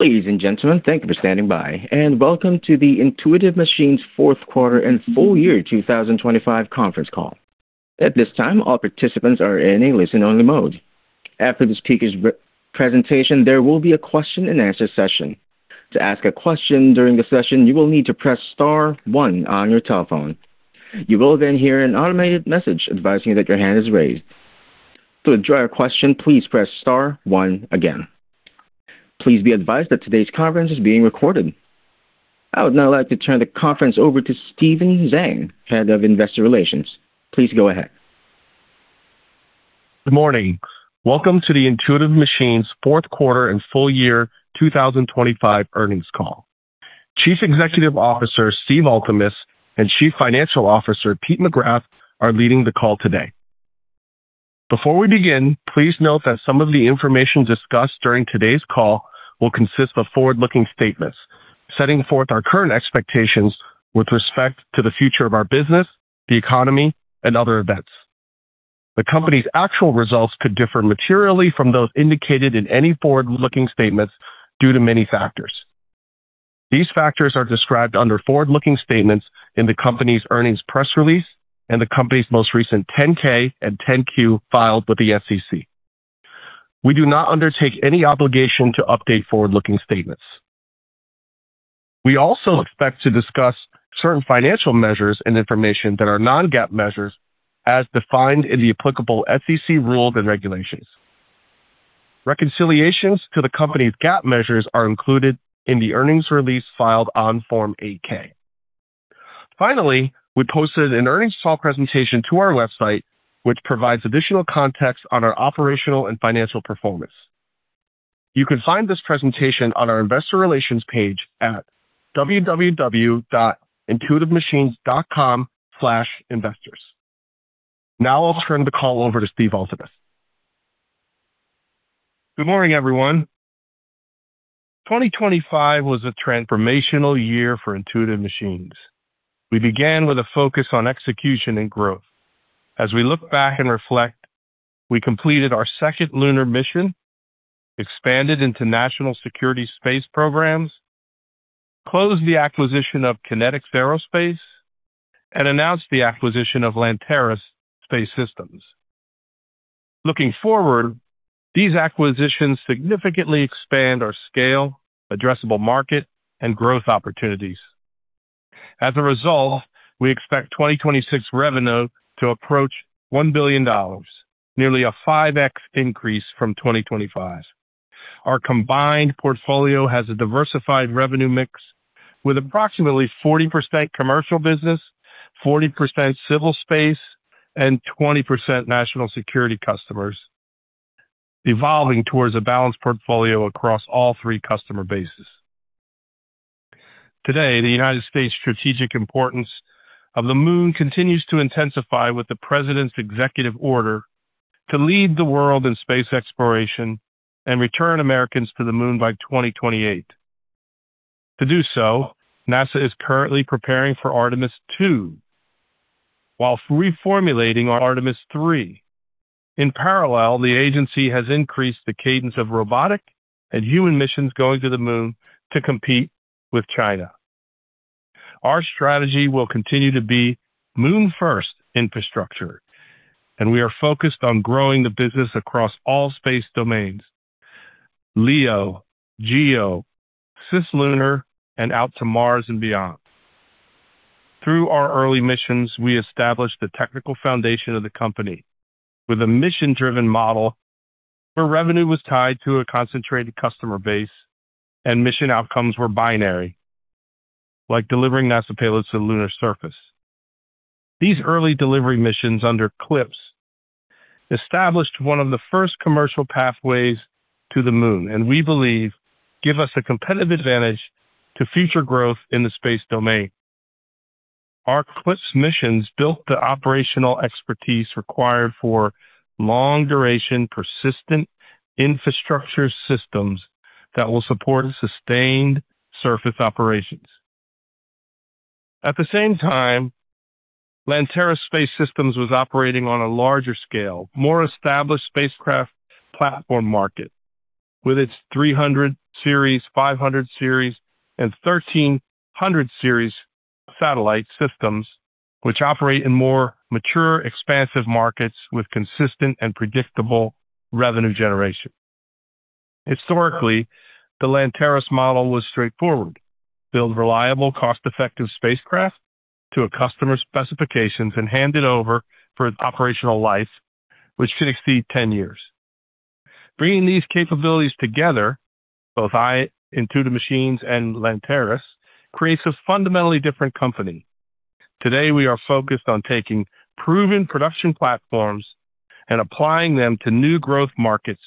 Ladies and gentlemen, thank you for standing by and welcome to the Intuitive Machines fourth quarter and full year 2025 conference call. At this time, all participants are in a listen-only mode. After the speaker's presentation, there will be a question-and-answer session. To ask a question during the session, you will need to press star one on your telephone. You will then hear an automated message advising you that your hand is raised. To withdraw your question, please press star one again. Please be advised that today's conference is being recorded. I would now like to turn the conference over to Stephen Zhang, Head of Investor Relations. Please go ahead. Good morning. Welcome to the Intuitive Machines fourth quarter and full year 2025 earnings call. Chief Executive Officer, Steve Altemus, and Chief Financial Officer, Pete McGrath, are leading the call today. Before we begin, please note that some of the information discussed during today's call will consist of forward-looking statements, setting forth our current expectations with respect to the future of our business, the economy, and other events. The company's actual results could differ materially from those indicated in any forward-looking statements due to many factors. These factors are described under forward-looking statements in the company's earnings press release and the company's most recent 10-K and 10-Q filed with the SEC. We do not undertake any obligation to update forward-looking statements. We also expect to discuss certain financial measures and information that are non-GAAP measures as defined in the applicable SEC rules and regulations. Reconciliations to the company's GAAP measures are included in the earnings release filed on Form 8-K. Finally, we posted an earnings call presentation to our website, which provides additional context on our operational and financial performance. You can find this presentation on our investor relations page at www.intuitivemachines.com/investors. Now I'll turn the call over to Steve Altemus. Good morning, everyone. 2025 was a transformational year for Intuitive Machines. We began with a focus on execution and growth. We look back and reflect, we completed our second lunar mission, expanded into national security space programs, closed the acquisition of KinetX, and announced the acquisition of Lanteris Space Systems. Looking forward, these acquisitions significantly expand our scale, addressable market, and growth opportunities. As a result, we expect 2026 revenue to approach $1 billion, nearly a 5x increase from 2025. Our combined portfolio has a diversified revenue mix with approximately 40% commercial business, 40% civil space, and 20% national security customers evolving towards a balanced portfolio across all three customer bases. Today, the United States strategic importance of the Moon continues to intensify with the president's executive order to lead the world in space exploration and return Americans to the Moon by 2028. To do so, NASA is currently preparing for Artemis II while reformulating Artemis III. In parallel, the agency has increased the cadence of robotic and human missions going to the Moon to compete with China. Our strategy will continue to be Moon first infrastructure, and we are focused on growing the business across all space domains, LEO, GEO, cislunar, and out to Mars and beyond. Through our early missions, we established the technical foundation of the company with a mission-driven model where revenue was tied to a concentrated customer base and mission outcomes were binary, like delivering NASA payloads to the lunar surface. These early delivery missions under CLPS established one of the first commercial pathways to the Moon, and we believe give us a competitive advantage to future growth in the space domain. Our CLPS missions built the operational expertise required for long-duration, persistent infrastructure systems that will support sustained surface operations. At the same time, Lanteris Space Systems was operating on a larger scale, more established spacecraft platform market with its 300 Series, 500 Series, and 1300 Series satellite systems, which operate in more mature, expansive markets with consistent and predictable revenue generation. Historically, the Lanteris's model was straightforward. Build reliable, cost-effective spacecraft to a customer's specifications and hand it over for its operational life, which could exceed 10 years. Bringing these capabilities together, both Intuitive Machines and Lanteris, creates a fundamentally different company. Today, we are focused on taking proven production platforms and applying them to new growth markets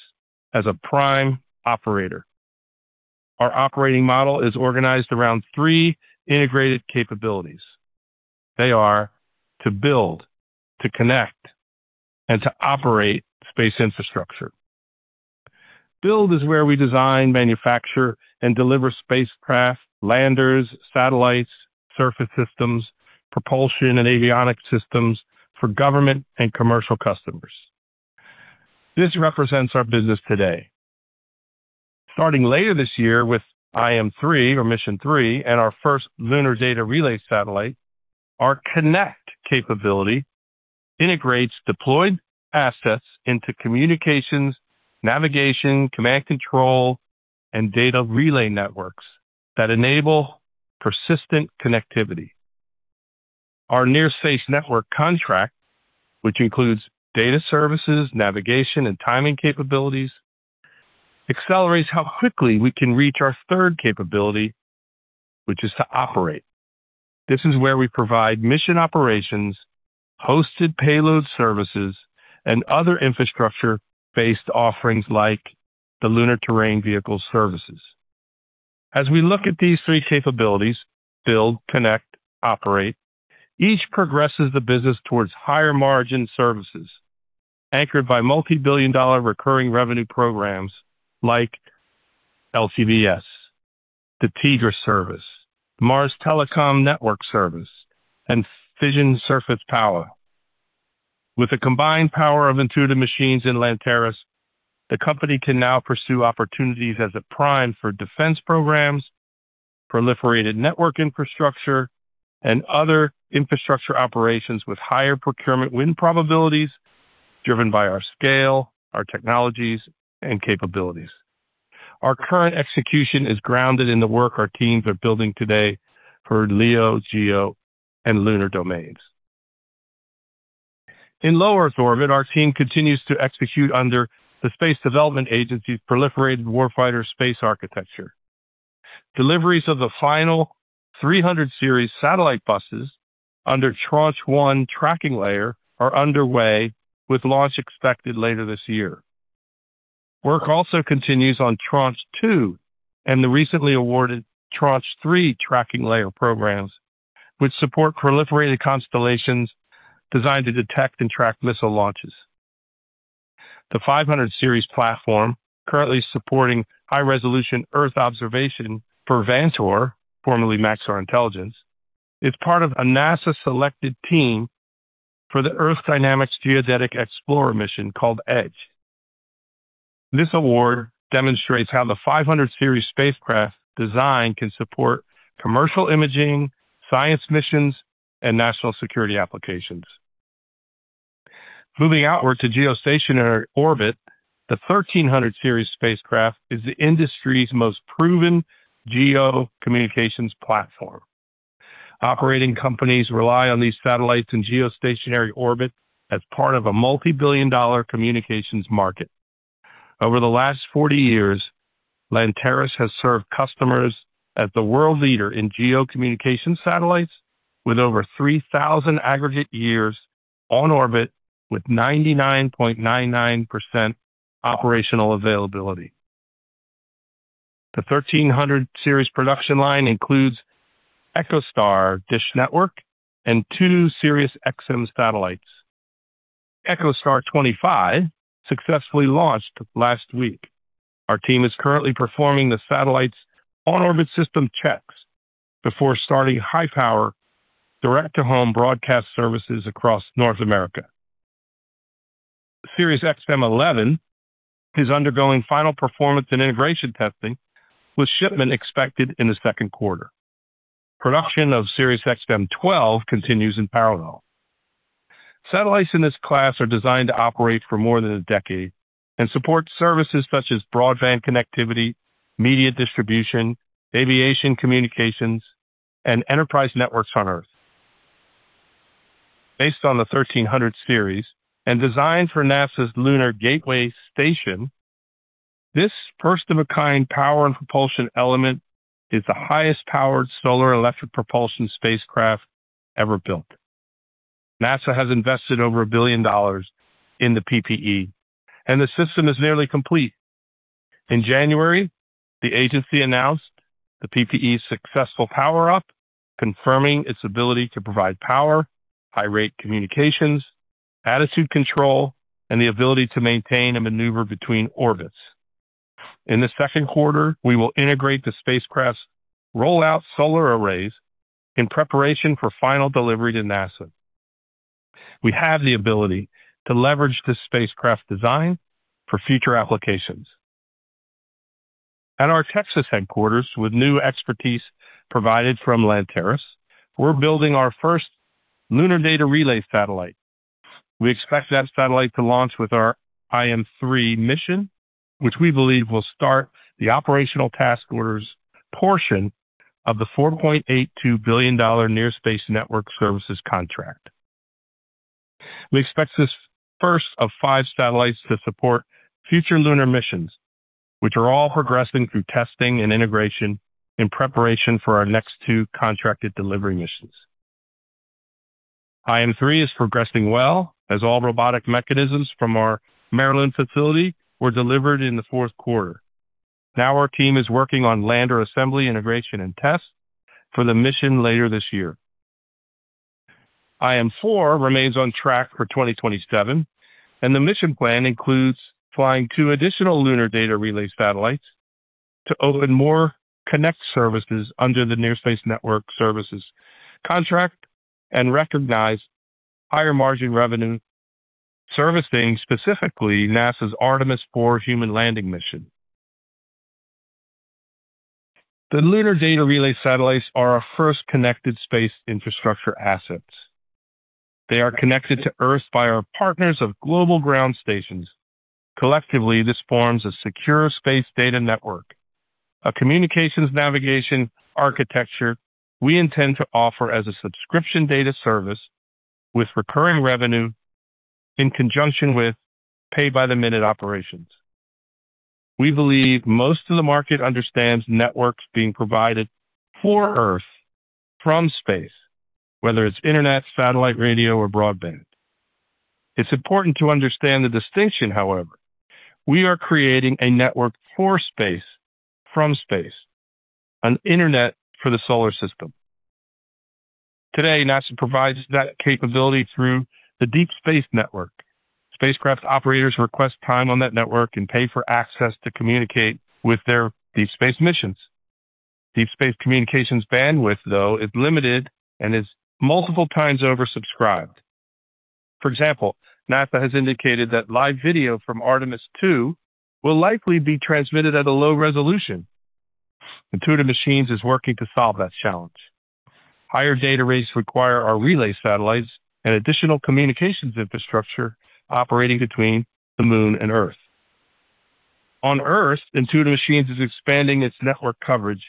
as a prime operator. Our operating model is organized around three integrated capabilities. They are to build, to connect, and to operate space infrastructure. Build is where we design, manufacture, and deliver spacecraft, landers, satellites, surface systems, propulsion and avionics systems for government and commercial customers. This represents our business today. Starting later this year with IM3 or Mission Three and our first lunar data relay satellite, our connect capability integrates deployed assets into communications, navigation, command and control, and data relay networks that enable persistent connectivity. Our Near Space Network contract, which includes data services, navigation, and timing capabilities, accelerates how quickly we can reach our third capability, which is to operate. This is where we provide mission operations, hosted payload services, and other infrastructure-based offerings like the lunar terrain vehicle services. As we look at these three capabilities, build, connect, operate, each progresses the business towards higher margin services anchored by multi-billion dollar recurring revenue programs like LTVS, the TDRS service, Mars Telecom Network service, and Fission Surface Power. With the combined power of Intuitive Machines and Lanteris, the company can now pursue opportunities as a prime for defense programs, proliferated network infrastructure, and other infrastructure operations with higher procurement win probabilities driven by our scale, our technologies, and capabilities. Our current execution is grounded in the work our teams are building today for LEO, GEO, and lunar domains. In low Earth orbit, our team continues to execute under the Space Development Agency's proliferated warfighter space architecture. Deliveries of the final 300 Series satellite buses under Tranche 1 tracking layer are underway with launch expected later this year. Work also continues on Tranche 2 and the recently awarded Tranche 3 tracking layer programs, which support proliferated constellations designed to detect and track missile launches. The 500 series platform currently supporting high-resolution Earth observation for Vantor, formerly Maxar Intelligence, is part of a NASA-selected team for the Earth Dynamics Geodetic Explorer Mission called EDGE. This award demonstrates how the 500 series spacecraft design can support commercial imaging, science missions, and national security applications. Moving outward to geostationary orbit, the 1300 series spacecraft is the industry's most proven GEO communications platform. Operating companies rely on these satellites in geostationary orbit as part of a multi-billion dollar communications market. Over the last 40 years, Lanteris has served customers as the world leader in GEO communication satellites with over 3,000 aggregate years on orbit with 99.99% operational availability. The 1300 Series production line includes EchoStar, DISH Network, and two SiriusXM satellites. EchoStar 25 successfully launched last week. Our team is currently performing the satellite's on-orbit system checks before starting high-power direct-to-home broadcast services across North America. SXM-11 is undergoing final performance and integration testing, with shipment expected in the second quarter. Production of SXM-12 continues in parallel. Satellites in this class are designed to operate for more than a decade and support services such as broadband connectivity, media distribution, aviation communications, and enterprise networks on Earth. Based on the 1300 Series and designed for NASA's Lunar Gateway station, this first-of-a-kind power and propulsion element is the highest-powered solar electric propulsion spacecraft ever built. NASA has invested over $1 billion in the PPE, and the system is nearly complete. In January, the agency announced the PPE's successful power up, confirming its ability to provide power, high-rate communications, attitude control, and the ability to maintain a maneuver between orbits. In the second quarter, we will integrate the spacecraft's roll-out solar arrays in preparation for final delivery to NASA. We have the ability to leverage this spacecraft design for future applications. At our Texas headquarters with new expertise provided from Lanteris, we're building our first lunar data relay satellite. We expect that satellite to launch with our IM-3 mission, which we believe will start the operational task orders portion of the $4.82 billion Near Space Network services contract. We expect this first of five satellites to support future lunar missions, which are all progressing through testing and integration in preparation for our next two contracted delivery missions. IM-3 is progressing well as all robotic mechanisms from our Maryland facility were delivered in the fourth quarter. Now our team is working on lander assembly, integration, and test for the mission later this year. IM-4 remains on track for 2027, and the mission plan includes flying 2 additional lunar data relay satellites. To open more connected services under the Near Space Network Services contract and recognize higher margin revenue servicing specifically NASA's Artemis four human landing mission. The lunar data relay satellites are our first connected space infrastructure assets. They are connected to Earth by our partners' global ground stations. Collectively, this forms a secure space data network, a communications navigation architecture we intend to offer as a subscription data service with recurring revenue in conjunction with pay by the minute operations. We believe most of the market understands networks being provided for Earth from space, whether it's internet, satellite radio or broadband. It's important to understand the distinction, however. We are creating a network for space from space, an internet for the solar system. Today, NASA provides that capability through the Deep Space Network. Spacecraft operators request time on that network and pay for access to communicate with their deep space missions. Deep space communications bandwidth, though, is limited and is multiple times oversubscribed. For example, NASA has indicated that live video from Artemis II will likely be transmitted at a low resolution. Intuitive Machines is working to solve that challenge. Higher data rates require our relay satellites and additional communications infrastructure operating between the Moon and Earth. On Earth, Intuitive Machines is expanding its network coverage,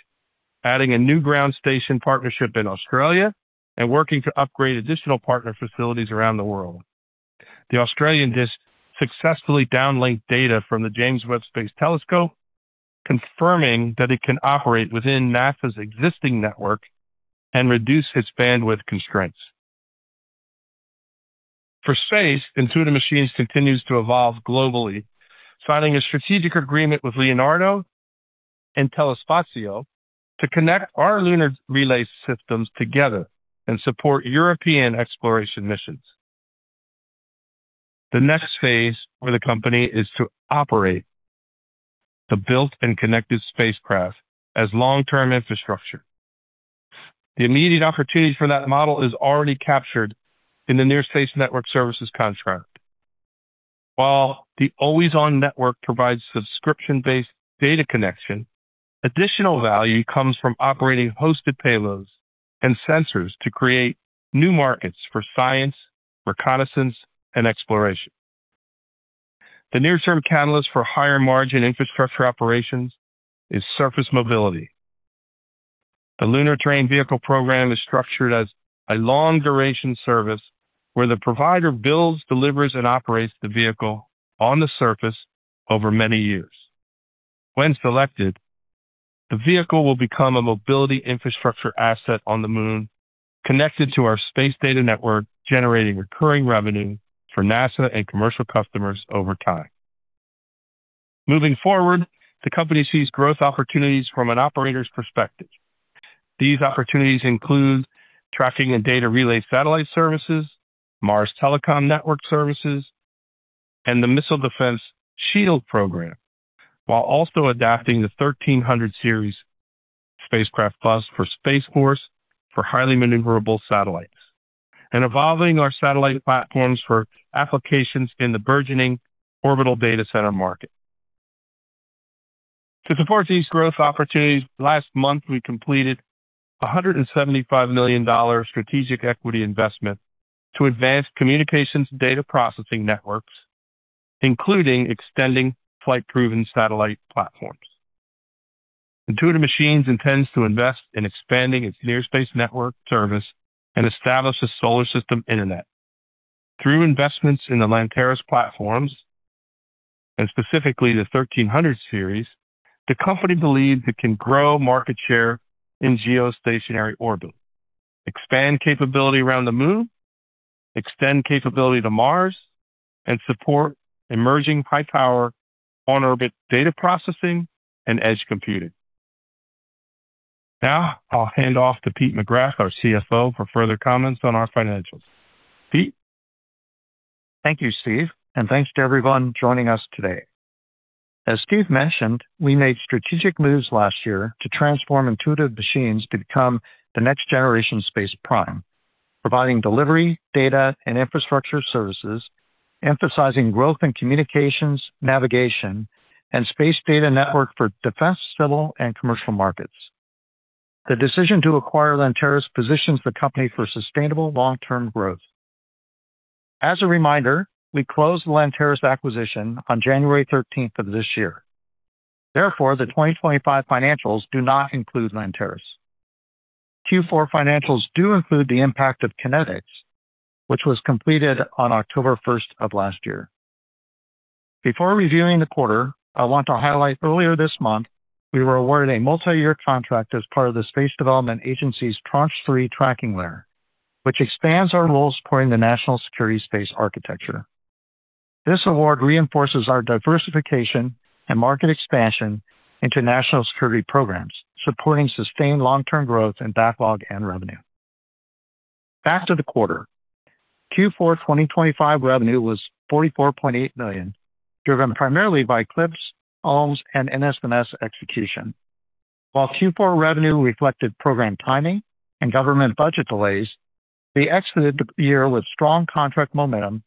adding a new ground station partnership in Australia and working to upgrade additional partner facilities around the world. The Australian dish successfully downlinked data from the James Webb Space Telescope, confirming that it can operate within NASA's existing network and reduce its bandwidth constraints. For space, Intuitive Machines continues to evolve globally, signing a strategic agreement with Leonardo and Telespazio to connect our lunar relay systems together and support European exploration missions. The next phase for the company is to operate the built and connected spacecraft as long-term infrastructure. The immediate opportunity for that model is already captured in the Near Space Network services contract. While the always-on network provides subscription-based data connection, additional value comes from operating hosted payloads and sensors to create new markets for science, reconnaissance, and exploration. The near-term catalyst for higher margin infrastructure operations is surface mobility. The Lunar Terrain Vehicle program is structured as a long duration service where the provider builds, delivers and operates the vehicle on the surface over many years. When selected, the vehicle will become a mobility infrastructure asset on the Moon, connected to our space data network, generating recurring revenue for NASA and commercial customers over time. Moving forward, the company sees growth opportunities from an operator's perspective. These opportunities include tracking and data relay satellite services, Mars Telecom Network services, and the SHIELD program, while also adapting the 1300 Series spacecraft bus for Space Force for highly maneuverable satellites, and evolving our satellite platforms for applications in the burgeoning orbital data center market. To support these growth opportunities, last month we completed a $175 million strategic equity investment to advance communications data processing networks, including extending flight-proven satellite platforms. Intuitive Machines intends to invest in expanding its Near Space Network service and establish a Solar System internet. Through investments in the Lanteris's platforms, and specifically the 1300 series, the company believes it can grow market share in geostationary orbit, expand capability around the Moon, extend capability to Mars, and support emerging high power on-orbit data processing and edge computing. Now, I'll hand off to Pete McGrath, our CFO, for further comments on our financials. Pete. Thank you, Steve, and thanks to everyone joining us today. As Steve mentioned, we made strategic moves last year to transform Intuitive Machines to become the next generation space prime, providing delivery, data and infrastructure services, emphasizing growth in communications, navigation, and space data network for defense, civil, and commercial markets. The decision to acquire Lanteris positions the company for sustainable long-term growth. As a reminder, we closed the Lanteris's acquisition on January 13th of this year. Therefore, the 2025 financials do not include Lanteris's. Q4 financials do include the impact of KinetX, which was completed on October 1 of last year. Before reviewing the quarter, I want to highlight earlier this month, we were awarded a multi-year contract as part of the Space Development Agency's Tranche 3 Tracking Layer, which expands our role supporting the National Security Space Architecture. This award reinforces our diversification and market expansion into national security programs, supporting sustained long-term growth in backlog and revenue. Back to the quarter. Q4 2025 revenue was $44.8 million, driven primarily by CLPS, OLMS, and NSNS execution. While Q4 revenue reflected program timing and government budget delays, we exited the year with strong contract momentum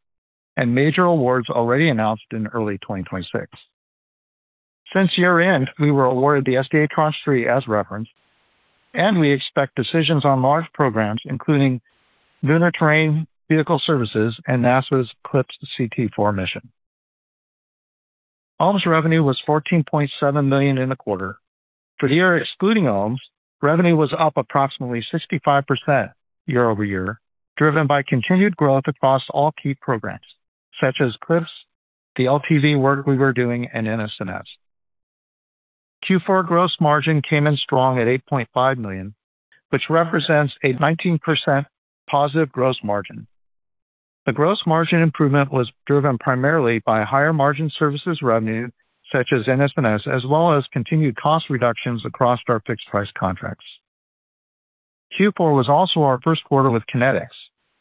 and major awards already announced in early 2026. Since year-end, we were awarded the SDA Tranche 3 as referenced, and we expect decisions on large programs, including Lunar Terrain Vehicle Services and NASA's CLPS CT-4 mission. OLMS revenue was $14.7 million in the quarter. For the year excluding OLMS, revenue was up approximately 65% year-over-year, driven by continued growth across all key programs such as CLPS, the LTV work we were doing, and NSNS. Q4 gross margin came in strong at $8.5 million, which represents a 19% positive gross margin. The gross margin improvement was driven primarily by higher margin services revenue such as NSNS, as well as continued cost reductions across our fixed price contracts. Q4 was also our first quarter with KinetX,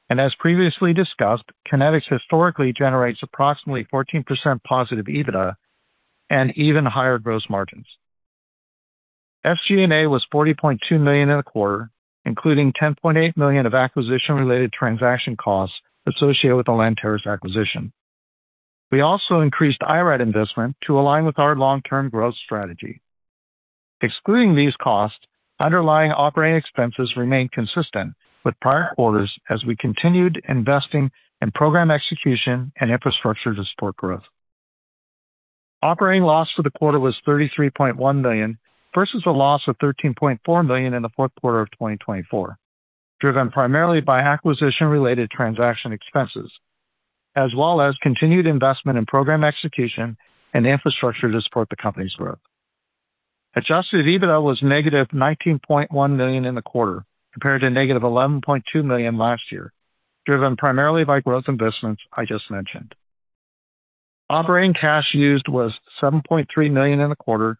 and as previously discussed, KinetX historically generates approximately 14% positive EBITDA and even higher gross margins. SG&A was $40.2 million in the quarter, including $10.8 million of acquisition-related transaction costs associated with the Lanteris acquisition. We also increased IRAD investment to align with our long-term growth strategy. Excluding these costs, underlying operating expenses remained consistent with prior quarters as we continued investing in program execution and infrastructure to support growth. Operating loss for the quarter was $33.1 million versus a loss of $13.4 million in the fourth quarter of 2024, driven primarily by acquisition-related transaction expenses, as well as continued investment in program execution and infrastructure to support the company's growth. Adjusted EBITDA was negative $19.1 million in the quarter, compared to negative $11.2 million last year, driven primarily by growth investments I just mentioned. Operating cash used was $7.3 million in the quarter,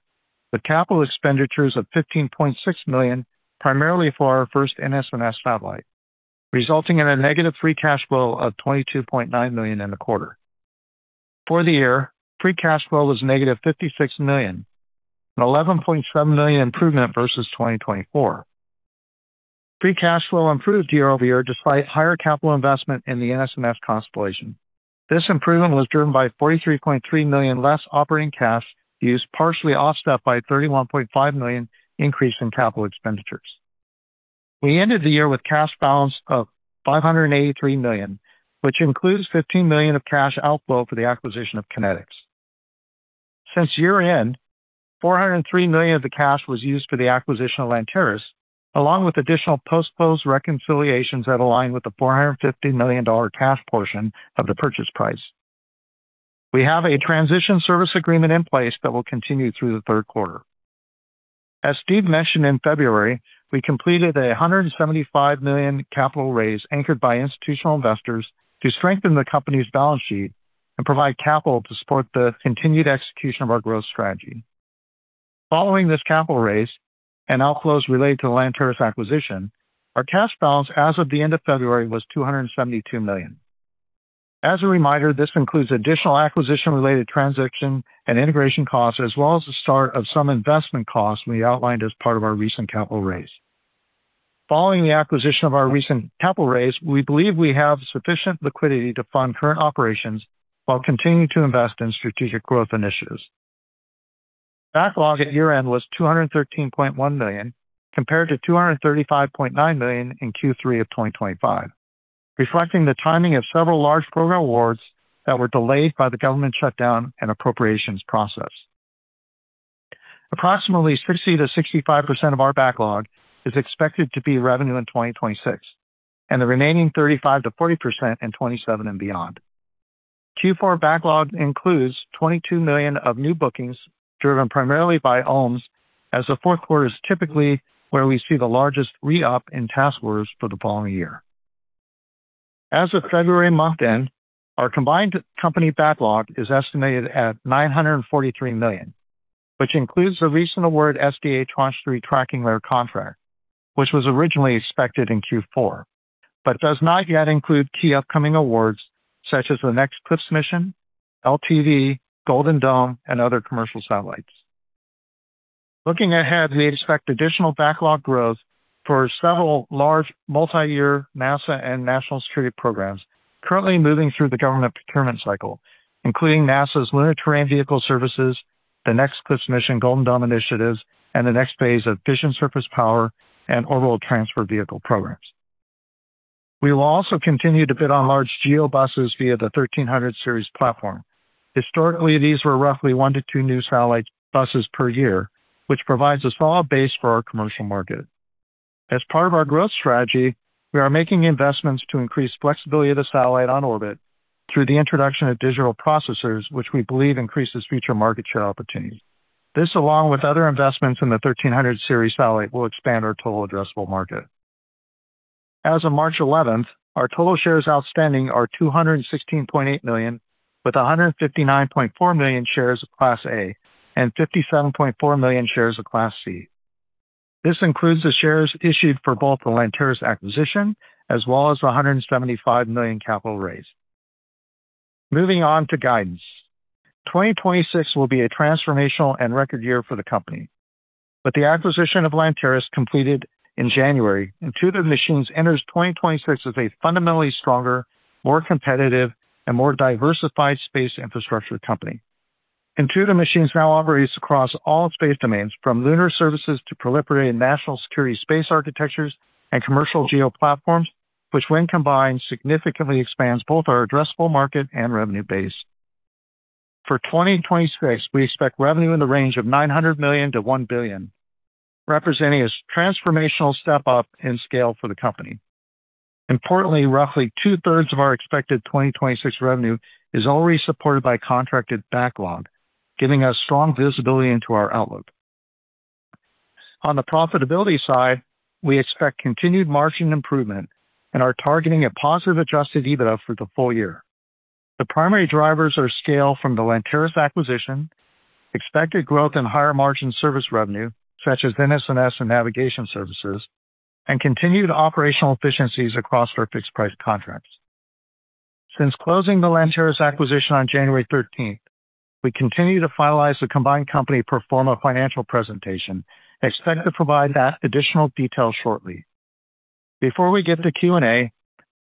with capital expenditures of $15.6 million primarily for our first NSNS satellite, resulting in a negative free cash flow of $22.9 million in the quarter. For the year, free cash flow was negative $56 million, an $11.7 million improvement versus 2024. Free cash flow improved year over year despite higher capital investment in the NSNS constellation. This improvement was driven by $43.3 million less operating cash used, partially offset by $31.5 million increase in capital expenditures. We ended the year with cash balance of $583 million, which includes $15 million of cash outflow for the acquisition of KinetX. Since year-end, $403 million of the cash was used for the acquisition of Lanteris, along with additional post-close reconciliations that align with the $450 million cash portion of the purchase price. We have a transition service agreement in place that will continue through the third quarter. As Steve mentioned in February, we completed a $175 million capital raise anchored by institutional investors to strengthen the company's balance sheet and provide capital to support the continued execution of our growth strategy. Following this capital raise and outflows related to the Lanteris acquisition, our cash balance as of the end of February was $272 million. As a reminder, this includes additional acquisition-related transaction and integration costs, as well as the start of some investment costs we outlined as part of our recent capital raise. Following the acquisition and our recent capital raise, we believe we have sufficient liquidity to fund current operations while continuing to invest in strategic growth initiatives. Backlog at year-end was $213.1 million, compared to $235.9 million in Q3 of 2025, reflecting the timing of several large program awards that were delayed by the government shutdown and appropriations process. Approximately 60%-65% of our backlog is expected to be revenue in 2026, and the remaining 35%-40% in 2027 and beyond. Q4 backlog includes $22 million of new bookings, driven primarily by OLMS, as the fourth quarter is typically where we see the largest re-up in task orders for the following year. As of February month-end, our combined company backlog is estimated at $943 million, which includes the recent award SDA Trans-3 tracking layer contract, which was originally expected in Q4, but does not yet include key upcoming awards such as the next CLPS mission, LTV, Golden Dome, and other commercial satellites. Looking ahead, we expect additional backlog growth for several large multi-year NASA and national security programs currently moving through the government procurement cycle, including NASA's Lunar Terrain Vehicle Services, the next CLPS mission, Golden Dome initiatives, and the next phase of Fission Surface Power and orbital transfer vehicle programs. We will also continue to bid on large GEO buses via the 1300 Series platform. Historically, these were roughly 1-2 new satellite buses per year, which provides a solid base for our commercial market. As part of our growth strategy, we are making investments to increase flexibility of the satellite on orbit through the introduction of digital processors, which we believe increases future market share opportunities. This, along with other investments in the 1300 Series satellite, will expand our total addressable market. As of March eleventh, our total shares outstanding are 216.8 million. With 159.4 million shares of Class A and 57.4 million shares of Class C. This includes the shares issued for both the Lanteris acquisition as well as the $175 million capital raise. Moving on to guidance. 2026 will be a transformational and record year for the company. With the acquisition of Lanteris completed in January, Intuitive Machines enters 2026 as a fundamentally stronger, more competitive, and more diversified space infrastructure company. Intuitive Machines now operates across all space domains, from lunar services to proliferating national security space architectures and commercial geo-platforms, which, when combined, significantly expands both our addressable market and revenue base. For 2026, we expect revenue in the range of $900 million-$1 billion, representing a transformational step up in scale for the company. Importantly, roughly two-thirds of our expected 2026 revenue is already supported by contracted backlog, giving us strong visibility into our outlook. On the profitability side, we expect continued margin improvement and are targeting a positive adjusted EBITDA for the full year. The primary drivers are scale from the Lanteris's acquisition, expected growth in higher margin service revenue, such as NSNS and navigation services, and continued operational efficiencies across our fixed-price contracts. Since closing the Lanteris's acquisition on January 13, we continue to finalize the combined company pro forma financial presentation. Expect to provide that additional detail shortly. Before we get to Q&A,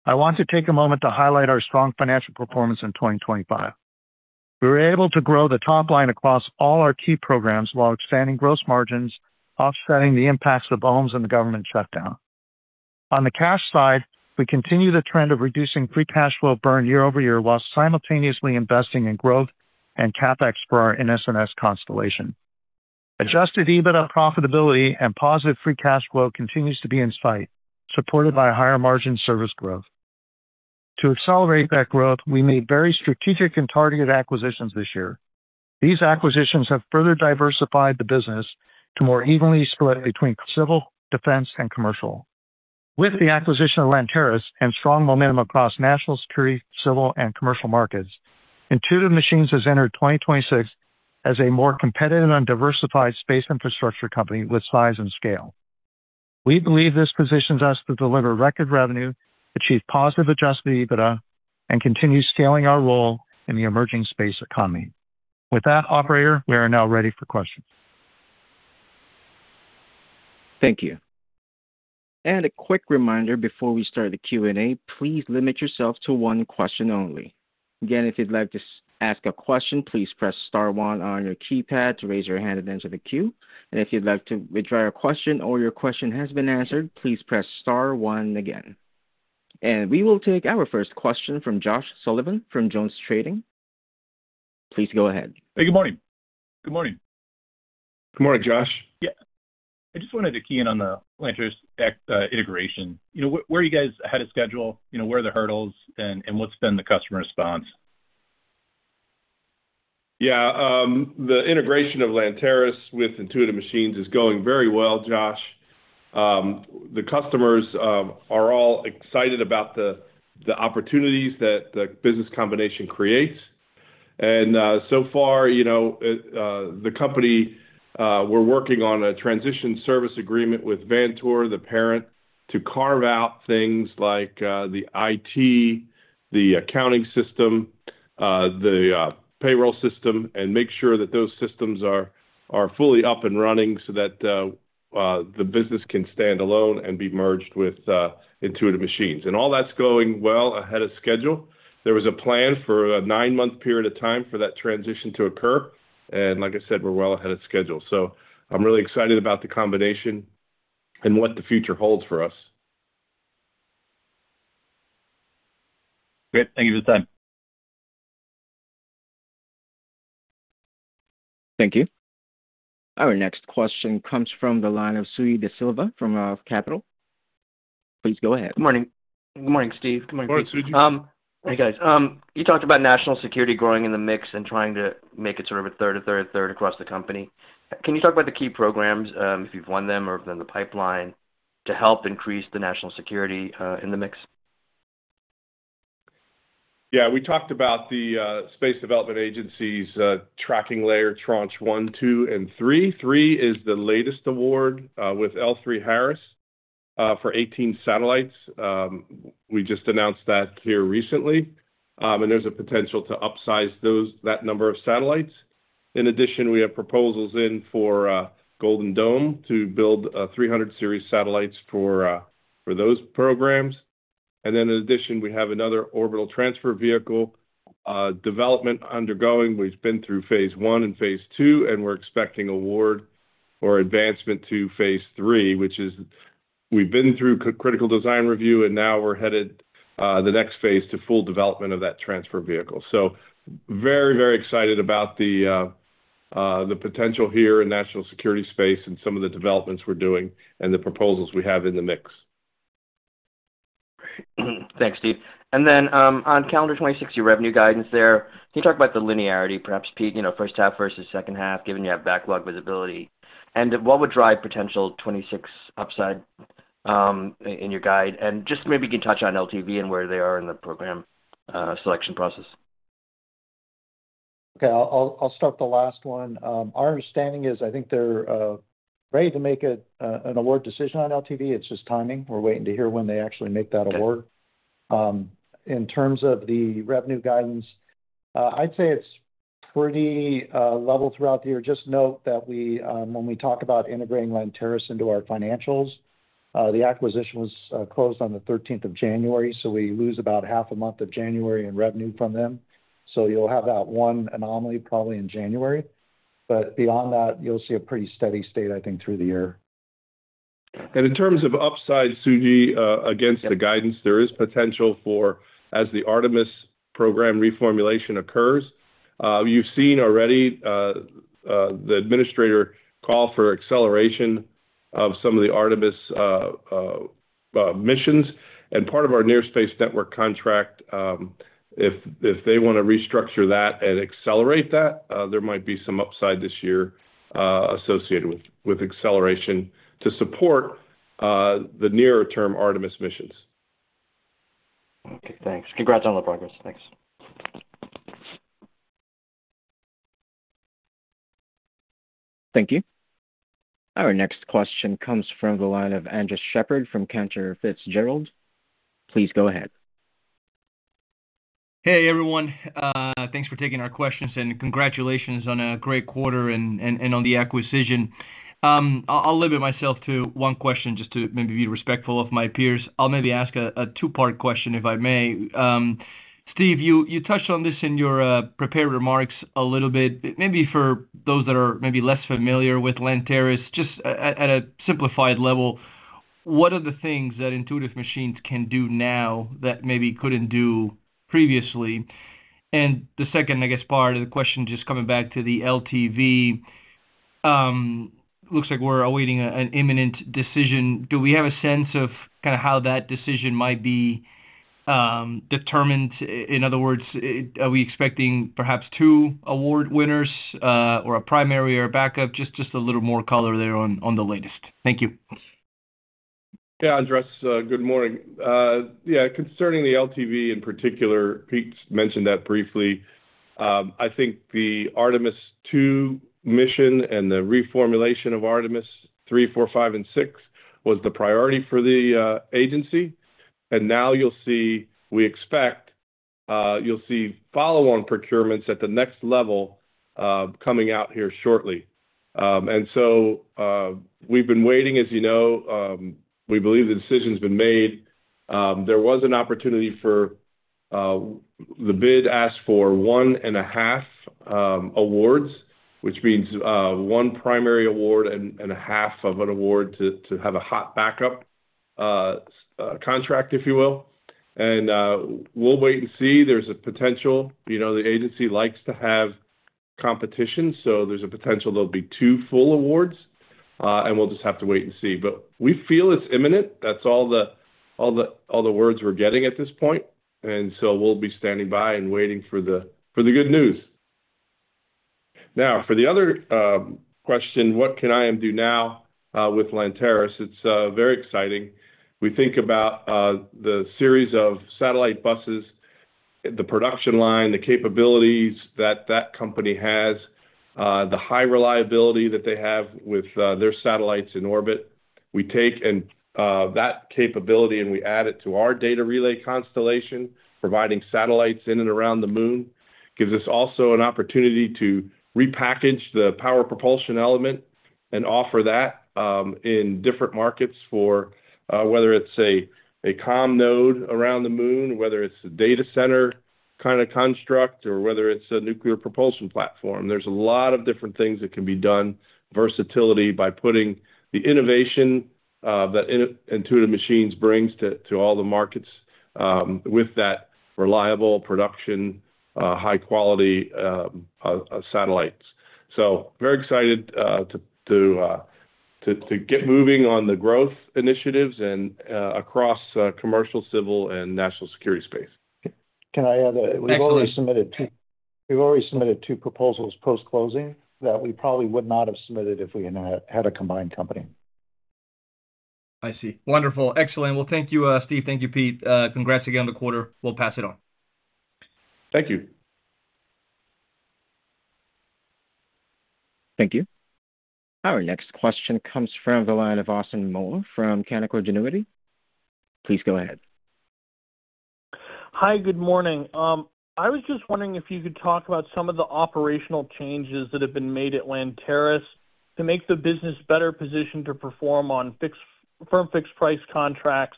I want to take a moment to highlight our strong financial performance in 2025. We were able to grow the top line across all our key programs while expanding gross margins, offsetting the impacts of OLMS and the government shutdown. On the cash side, we continue the trend of reducing free cash flow burn year-over-year, while simultaneously investing in growth and CapEx for our NSNS constellation. Adjusted EBITDA profitability and positive free cash flow continues to be in sight, supported by higher margin service growth. To accelerate that growth, we made very strategic and targeted acquisitions this year. These acquisitions have further diversified the business to more evenly split between civil, defense, and commercial. With the acquisition of Lanteris and strong momentum across national security, civil, and commercial markets, Intuitive Machines has entered 2026 as a more competitive and diversified space infrastructure company with size and scale. We believe this positions us to deliver record revenue, achieve positive adjusted EBITDA, and continue scaling our role in the emerging space economy. With that, operator, we are now ready for questions. Thank you. A quick reminder before we start the Q&A, please limit yourself to one question only. Again, if you'd like to ask a question, please press star one on your keypad to raise your hand and enter the queue. If you'd like to withdraw your question or your question has been answered, please press star one again. We will take our first question from Josh Sullivan from Jones Trading. Please go ahead. Hey, good morning. Good morning. Good morning, Josh. Yeah. I just wanted to key in on the Lanteris's integration. You know, where are you guys ahead of schedule? You know, where are the hurdles and what's been the customer response? Yeah, the integration of Lanteris with Intuitive Machines is going very well, Josh. The customers are all excited about the opportunities that the business combination creates. So far, you know, the company we're working on a transition service agreement with Vantor, the parent, to carve out things like the IT, the accounting system, the payroll system, and make sure that those systems are fully up and running so that the business can stand alone and be merged with Intuitive Machines. All that's going well ahead of schedule. There was a plan for a nine-month period of time for that transition to occur, and like I said, we're well ahead of schedule. I'm really excited about the combination and what the future holds for us. Great. Thank you for the time. Thank you. Our next question comes from the line of Suji DeSilva from ROTH Capital. Please go ahead. Good morning. Good morning, Steve. Good morning, Pete. Good morning, Suji DeSilva. Hi, guys. You talked about national security growing in the mix and trying to make it sort of a third across the company. Can you talk about the key programs, if you've won them or if they're in the pipeline to help increase the national security in the mix? Yeah, we talked about the Space Development Agency's tracking layer, tranche one, two, and three. Three is the latest award with L3Harris for 18 satellites. We just announced that here recently. There's a potential to upsize that number of satellites. In addition, we have proposals in for Golden Dome to build 300 Series satellites for those programs. In addition, we have another orbital transfer vehicle development undergoing. We've been through phase one and phase two, and we're expecting award or advancement to phase three, which we've been through critical design review, and now we're headed to the next phase to full development of that transfer vehicle. Very, very excited about the potential here in national security space and some of the developments we're doing and the proposals we have in the mix. Thanks, Steve. On calendar 2026 revenue guidance there, can you talk about the linearity, perhaps Pete, you know, first half versus second half, given you have backlog visibility? What would drive potential 2026 upside? In your guide. Just maybe you can touch on LTV and where they are in the program, selection process. Okay. I'll start the last one. Our understanding is I think they're ready to make an award decision on LTV. It's just timing. We're waiting to hear when they actually make that award. Okay. In terms of the revenue guidance, I'd say it's pretty level throughout the year. Just note that we, when we talk about integrating Lanteris into our financials, the acquisition was closed on the thirteenth of January, so we lose about half a month of January in revenue from them. You'll have that one anomaly probably in January. Beyond that, you'll see a pretty steady state, I think, through the year. In terms of upside, Suji, against the guidance, there is potential for as the Artemis program reformulation occurs. You've seen already the administrator call for acceleration of some of the Artemis missions and part of our Near Space Network contract. If they wanna restructure that and accelerate that, there might be some upside this year associated with acceleration to support the nearer term Artemis missions. Okay, thanks. Congrats on the progress. Thanks. Thank you. Our next question comes from the line of Andres Sheppard from Cantor Fitzgerald. Please go ahead. Hey, everyone. Thanks for taking our questions, and congratulations on a great quarter and on the acquisition. I'll limit myself to one question just to maybe be respectful of my peers. I'll maybe ask a two-part question, if I may. Steve, you touched on this in your prepared remarks a little bit. Maybe for those that are maybe less familiar with Lanteris, just at a simplified level, what are the things that Intuitive Machines can do now that maybe couldn't do previously? The second, I guess, part of the question, just coming back to the LTV, looks like we're awaiting an imminent decision. Do we have a sense of kinda how that decision might be determined? In other words, are we expecting perhaps two award winners, or a primary or backup? Just a little more color there on the latest. Thank you. Yeah. Andres, good morning. Yeah, concerning the LTV in particular, Pete's mentioned that briefly. I think the Artemis II mission and the reformulation of Artemis III, IV, V, and VI was the priority for the agency. We expect you'll see follow-on procurements at the next level coming out here shortly. We've been waiting, as you know. We believe the decision's been made. There was an opportunity for the bid asked for 1.5 awards, which means one primary award and a half of an award to have a hot backup contract, if you will. We'll wait and see. There's a potential. You know, the agency likes to have competition, so there's a potential there'll be two full awards, and we'll just have to wait and see. We feel it's imminent. That's all the words we're getting at this point. We'll be standing by and waiting for the good news. Now for the other question, what can IM do now with Lanteris? It's very exciting. We think about the series of satellite buses, the production line, the capabilities that that company has, the high reliability that they have with their satellites in orbit. We take that capability, and we add it to our data relay constellation, providing satellites in and around the moon. Gives us also an opportunity to repackage the power propulsion element and offer that, in different markets for whether it's a comm node around the moon, whether it's a data center kinda construct, or whether it's a nuclear propulsion platform. There's a lot of different things that can be done, versatility by putting the innovation that Intuitive Machines brings to all the markets, with that reliable production, high quality satellites. Very excited to get moving on the growth initiatives and across commercial, civil, and national security space. Can I add, we've already submitted two- Excellent. We've already submitted 2 proposals post-closing that we probably would not have submitted if we had not had a combined company. I see. Wonderful. Excellent. Well, thank you, Steve. Thank you, Pete. Congrats again on the quarter. We'll pass it on. Thank you. Thank you. Our next question comes from the line of Austin Moeller from Canaccord Genuity. Please go ahead. Hi. Good morning. I was just wondering if you could talk about some of the operational changes that have been made at Lanteris to make the business better positioned to perform on firm fixed price contracts,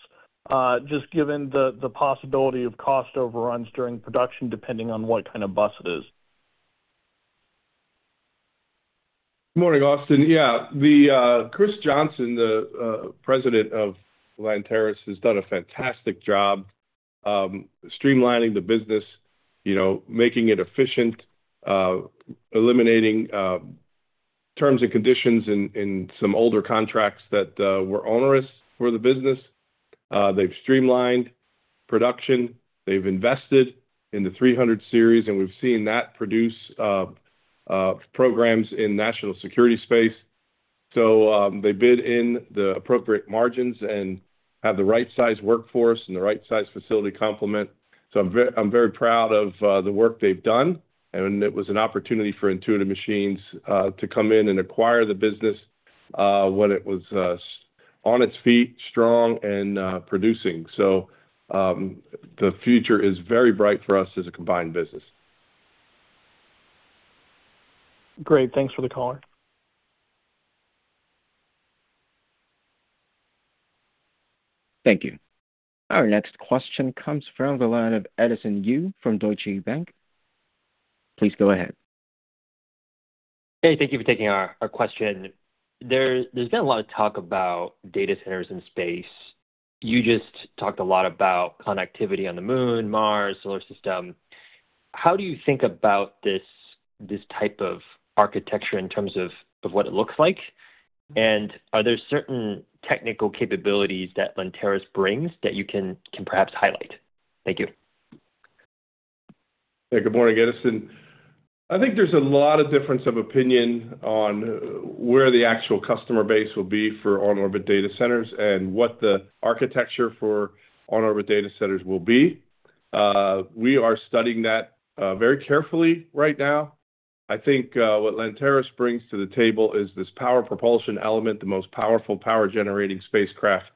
just given the possibility of cost overruns during production, depending on what kind of bus it is. Morning, Austin. Yeah. The Chris Johnson, the President of Lanteris, has done a fantastic job streamlining the business, you know, making it efficient, eliminating terms and conditions in some older contracts that were onerous for the business. They've streamlined production. They've invested in the 300 Series, and we've seen that produce programs in national security space. They bid in the appropriate margins and have the right size workforce and the right size facility complement. I'm very proud of the work they've done, and it was an opportunity for Intuitive Machines to come in and acquire the business when it was on its feet, strong, and producing. The future is very bright for us as a combined business. Great. Thanks for the color. Thank you. Our next question comes from the line of Edison Yu from Deutsche Bank. Please go ahead. Hey, thank you for taking our question. There's been a lot of talk about data centers in space. You just talked a lot about connectivity on the Moon, Mars, Solar System. How do you think about this type of architecture in terms of what it looks like? And are there certain technical capabilities that Lanteris brings that you can perhaps highlight? Thank you. Hey, good morning, Edison. I think there's a lot of difference of opinion on where the actual customer base will be for on-orbit data centers and what the architecture for on-orbit data centers will be. We are studying that very carefully right now. I think what Lanteris brings to the table is this power propulsion element, the most powerful power-generating spacecraft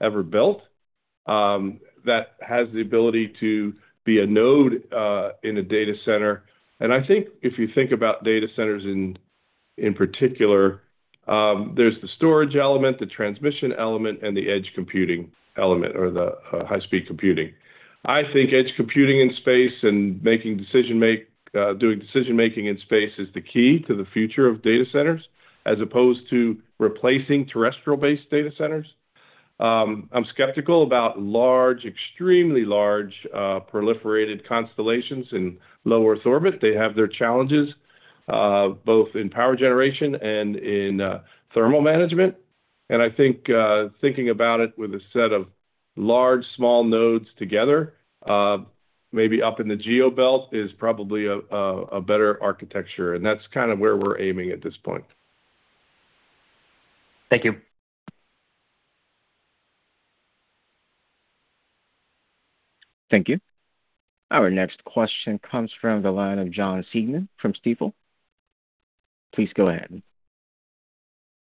ever built, that has the ability to be a node in a data center. I think if you think about data centers in particular, there's the storage element, the transmission element, and the edge computing element or the high-speed computing. I think edge computing in space and doing decision-making in space is the key to the future of data centers as opposed to replacing terrestrial-based data centers. I'm skeptical about large, extremely large proliferated constellations in low Earth orbit. They have their challenges both in power generation and in thermal management. I think thinking about it with a set of large, small nodes together, maybe up in the geo belt, is probably a better architecture, and that's kind of where we're aiming at this point. Thank you. Thank you. Our next question comes from the line of Jonathan Siegmann from Stifel. Please go ahead.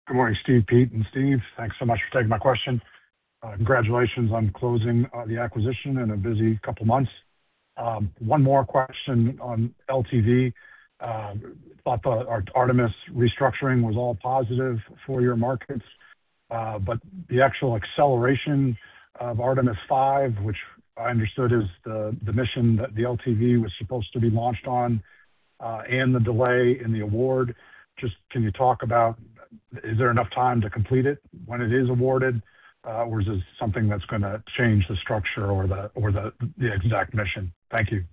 Good morning, Steve, Pete, and Steve. Thanks so much for taking my question. Congratulations on closing the acquisition in a busy couple months. One more question on LTV. Thought the Artemis restructuring was all positive for your markets, but the actual acceleration of Artemis V, which I understood is the mission that the LTV was supposed to be launched on, and the delay in the award. Just can you talk about is there enough time to complete it when it is awarded? Or is this something that's gonna change the structure or the exact mission? Thank you.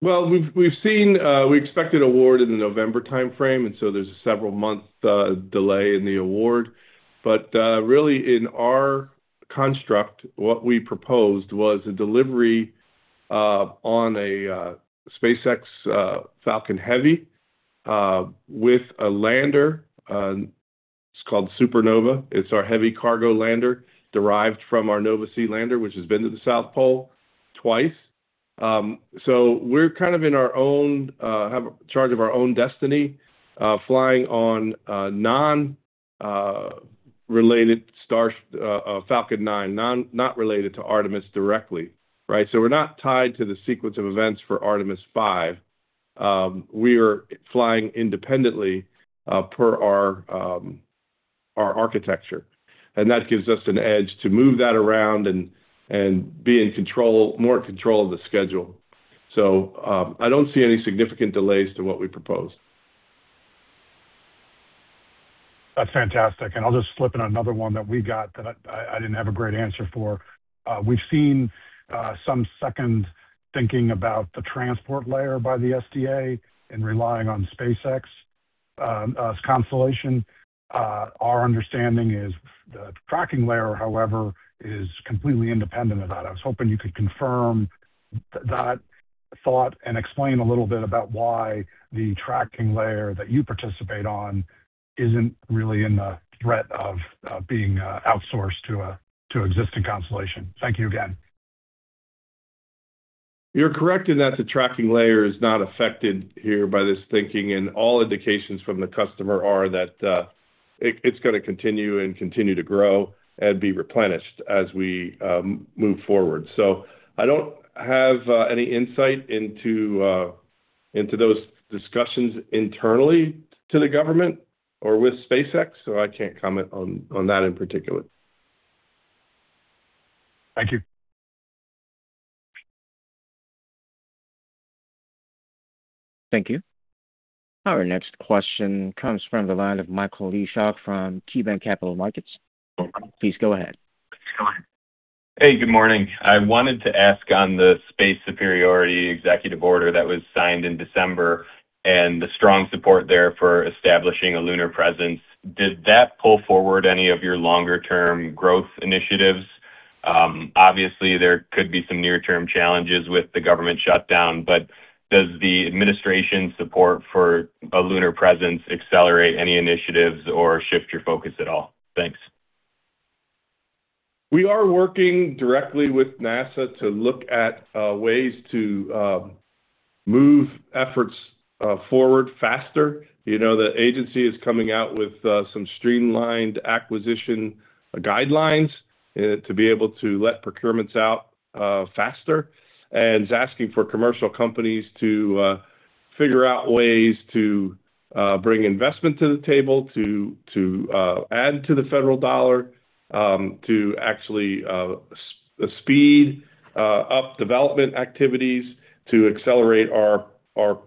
We've seen. We expected award in the November timeframe, and so there's a several-month delay in the award. Really in our construct, what we proposed was a delivery on a SpaceX Falcon Heavy with a lander. It's called Supernova. It's our heavy cargo lander derived from our Nova-C lander, which has been to the South Pole twice. We're kind of in charge of our own destiny flying on non-related Falcon 9, not related to Artemis directly, right? We're not tied to the sequence of events for Artemis V. We are flying independently per our architecture. That gives us an edge to move that around and be in control, more in control of the schedule. I don't see any significant delays to what we proposed. That's fantastic. I'll just slip in another one that we got that I didn't have a great answer for. We've seen some rethinking about the transport layer by the SDA and relying on SpaceX constellation. Our understanding is the tracking layer, however, is completely independent of that. I was hoping you could confirm that thought and explain a little bit about why the tracking layer that you participate on isn't really under threat of being outsourced to an existing constellation. Thank you again. You're correct in that the tracking layer is not affected here by this thinking, and all indications from the customer are that it's gonna continue to grow and be replenished as we move forward. I don't have any insight into those discussions internally to the government or with SpaceX, so I can't comment on that in particular. Thank you. Thank you. Our next question comes from the line of Michael Ciarmoli from KeyBanc Capital Markets. Please go ahead. Hey, good morning. I wanted to ask on the space superiority executive order that was signed in December and the strong support there for establishing a lunar presence, did that pull forward any of your longer-term growth initiatives? Obviously there could be some near-term challenges with the government shutdown, but does the administration support for a lunar presence accelerate any initiatives or shift your focus at all? Thanks. We are working directly with NASA to look at ways to move efforts forward faster. You know, the agency is coming out with some streamlined acquisition guidelines to be able to let procurements out faster. It's asking for commercial companies to figure out ways to bring investment to the table to add to the federal dollar to actually speed up development activities, to accelerate our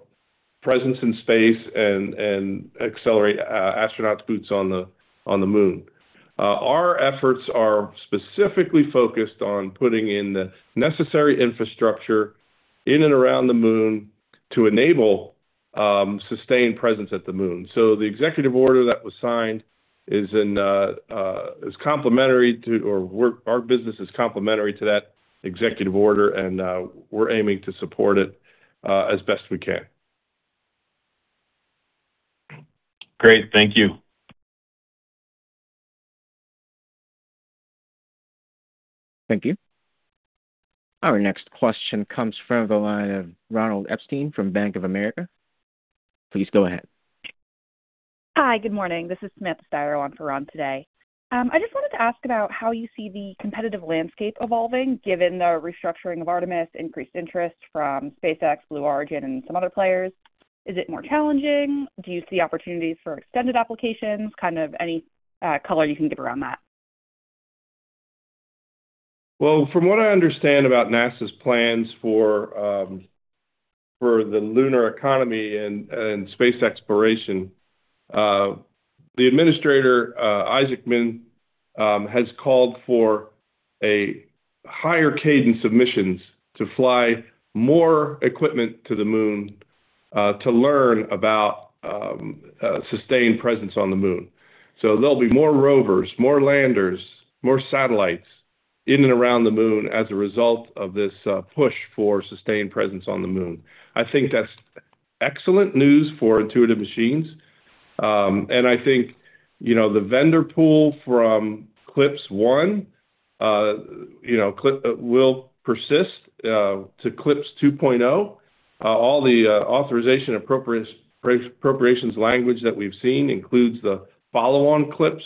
presence in space and accelerate astronaut boots on the moon. Our efforts are specifically focused on putting in the necessary infrastructure in and around the moon to enable sustained presence at the moon. The executive order that was signed is complementary to our business, or our business is complementary to that executive order, and we're aiming to support it as best we can. Great. Thank you. Thank you. Our next question comes from the line of Ronald Epstein from Bank of America. Please go ahead. Hi. Good morning. This is Samantha Styron on for Ron today. I just wanted to ask about how you see the competitive landscape evolving given the restructuring of Artemis, increased interest from SpaceX, Blue Origin, and some other players. Is it more challenging? Do you see opportunities for extended applications? Kind of any color you can give around that. Well, from what I understand about NASA's plans for the lunar economy and space exploration, the administrator, Isaacman, has called for a higher cadence of missions to fly more equipment to the moon, to learn about sustained presence on the moon. There'll be more rovers, more landers, more satellites in and around the moon as a result of this, push for sustained presence on the moon. I think that's excellent news for Intuitive Machines. I think, you know, the vendor pool from CLPS 1 will persist to CLPS 2.0. All the authorization and appropriations language that we've seen includes the follow on CLPS.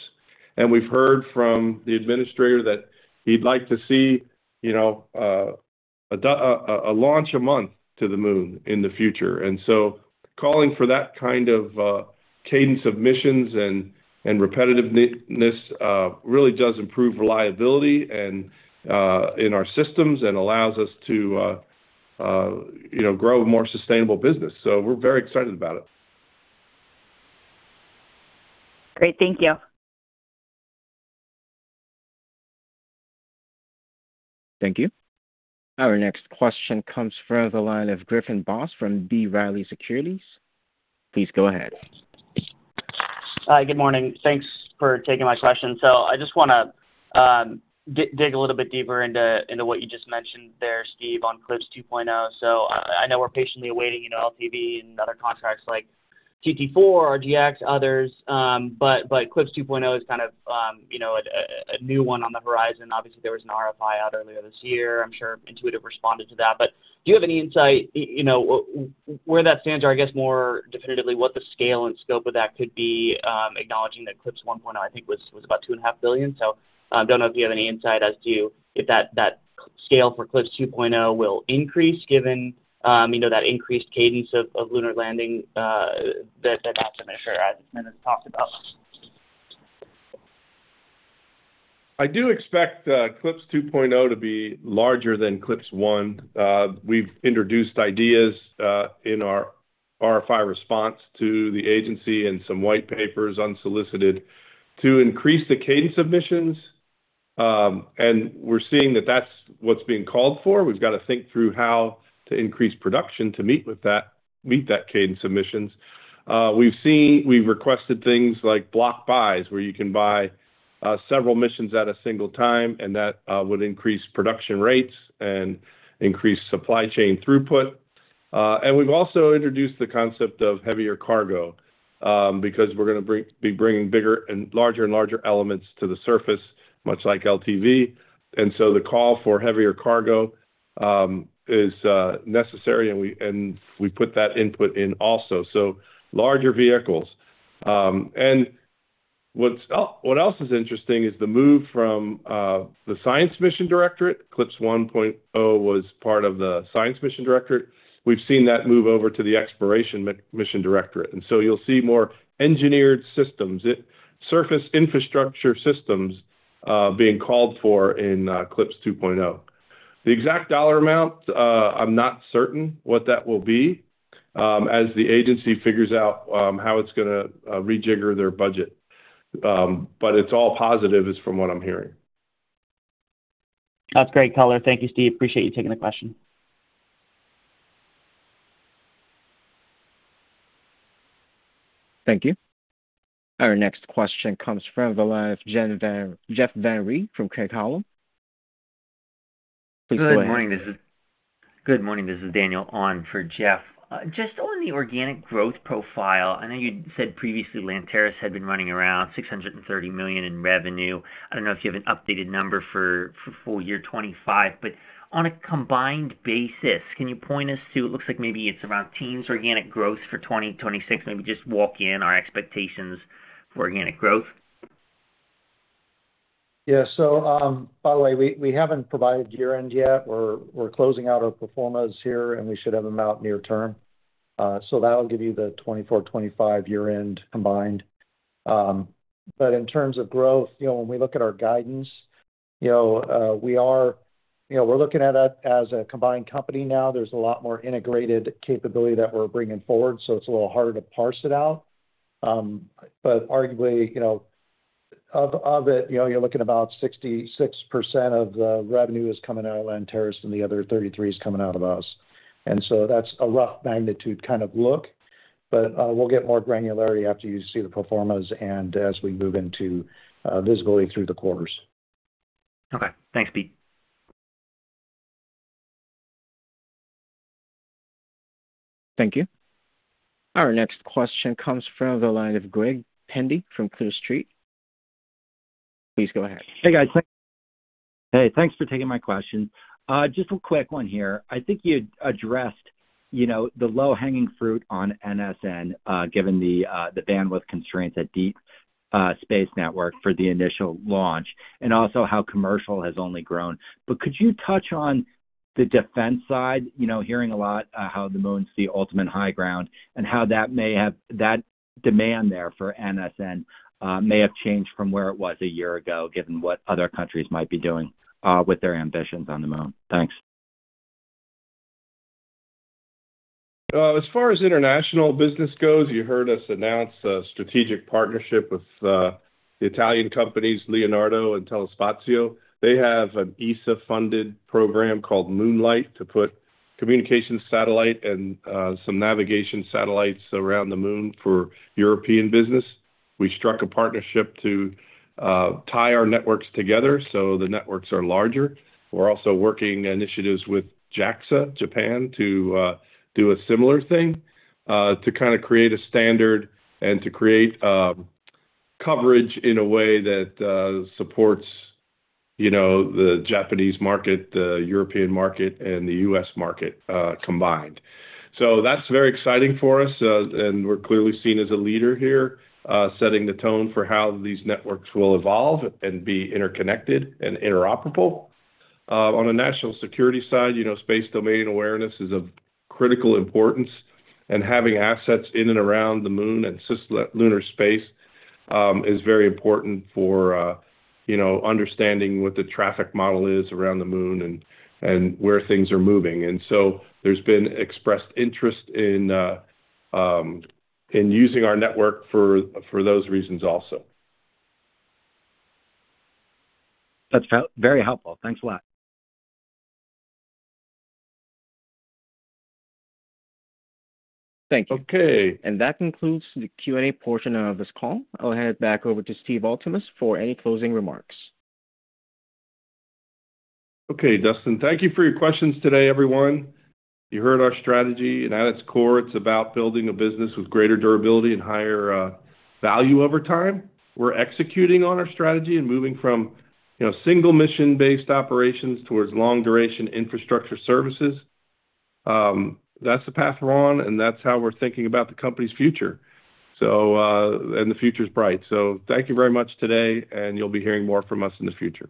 We've heard from the administrator that he'd like to see, you know, a launch a month to the moon in the future. Calling for that kind of cadence of missions and repetitiveness really does improve reliability and in our systems and allows us to, you know, grow a more sustainable business. We're very excited about it. Great. Thank you. Thank you. Our next question comes from the line of Griffin Boss from B. Riley Securities. Please go ahead. Hi. Good morning. Thanks for taking my question. I just wanna dig a little bit deeper into what you just mentioned there, Steve, on CLPS 2.0. I know we're patiently awaiting, you know, LTV and other contracts like TT-4, RGX, others. CLPS 2.0 is kind of, you know, a new one on the horizon. Obviously, there was an RFI out earlier this year. I'm sure Intuitive responded to that. Do you have any insight, you know, where that stands or I guess more definitively what the scale and scope of that could be, acknowledging that CLPS 1.0 I think was about $2.5 billion. Don't know if you have any insight as to if that scale for CLPS 2.0 will increase given that increased cadence of lunar landing that Administrator Isaacman has talked about. I do expect CLPS 2.0 to be larger than CLPS 1. We've introduced ideas in our RFI response to the agency and some white papers unsolicited to increase the cadence of missions. We're seeing that that's what's being called for. We've got to think through how to increase production to meet that cadence of missions. We've requested things like block buys, where you can buy several missions at a single time, and that would increase production rates and increase supply chain throughput. We've also introduced the concept of heavier cargo because we're gonna be bringing bigger and larger and larger elements to the surface, much like LTV. The call for heavier cargo is necessary, and we put that input in also. Larger vehicles. What's else is interesting is the move from the Science Mission Directorate. CLPS 1.0 was part of the Science Mission Directorate. We've seen that move over to the Exploration Mission Directorate. You'll see more engineered systems, surface infrastructure systems, being called for in CLPS 2.0. The exact dollar amount, I'm not certain what that will be, as the agency figures out how it's gonna rejigger their budget. It's all positive is from what I'm hearing. That's great color. Thank you, Steve. Appreciate you taking the question. Thank you. Our next question comes from the line of Jeff Van Rhee from Craig-Hallum. Please go ahead. Good morning. This is Daniel on for Jeff. Just on the organic growth profile, I know you said previously Lanteris had been running around $630 million in revenue. I don't know if you have an updated number for full year 2025, but on a combined basis, can you point us to it looks like maybe it's around teens% organic growth for 2026. Maybe just walk us through our expectations for organic growth. Yeah. By the way, we haven't provided year-end yet. We're closing out our performance here, and we should have them out near term. That'll give you the 2024, 2025 year-end combined. In terms of growth, you know, when we look at our guidance, you know, we are, you know, we're looking at it as a combined company now. There's a lot more integrated capability that we're bringing forward, so it's a little harder to parse it out. Arguably, you know, of it, you know, you're looking about 66% of the revenue is coming out of Lanteris and the other 33% is coming out of us. That's a rough magnitude kind of look. We'll get more granularity after you see the performance and as we move into visibility through the quarters. Okay. Thanks, Pete. Thank you. Our next question comes from the line of Greg Pendy from Clear Street. Please go ahead. Hey, guys. Hey, thanks for taking my question. Just a quick one here. I think you addressed, you know, the low-hanging fruit on NSN, given the bandwidth constraints at Deep Space Network for the initial launch and also how commercial has only grown. Could you touch on the defense side? You know, hearing a lot, how the moon's the ultimate high ground and how that demand there for NSN may have changed from where it was a year ago, given what other countries might be doing, with their ambitions on the moon. Thanks. As far as international business goes, you heard us announce a strategic partnership with the Italian companies, Leonardo and Telespazio. They have an ESA-funded program called Moonlight to put communications satellite and some navigation satellites around the Moon for European business. We struck a partnership to tie our networks together, so the networks are larger. We're also working initiatives with JAXA, Japan, to do a similar thing, to kinda create a standard and to create coverage in a way that supports, you know, the Japanese market, the European market, and the U.S. market combined. That's very exciting for us. We're clearly seen as a leader here, setting the tone for how these networks will evolve and be interconnected and interoperable. On a national security side, you know, space domain awareness is of critical importance, and having assets in and around the Moon and cislunar space is very important for, you know, understanding what the traffic model is around the Moon and where things are moving. There's been expressed interest in using our network for those reasons also. That's very helpful. Thanks a lot. Thank you. Okay. That concludes the Q&A portion of this call. I'll hand it back over to Steve Altemus for any closing remarks. Okay, Dustin. Thank you for your questions today, everyone. You heard our strategy, and at its core, it's about building a business with greater durability and higher value over time. We're executing on our strategy and moving from, you know, single mission-based operations towards long-duration infrastructure services. That's the path we're on, and that's how we're thinking about the company's future. And the future is bright. Thank you very much today, and you'll be hearing more from us in the future.